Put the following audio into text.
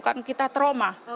kan kita trauma